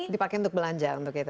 dipakai untuk belanja untuk itu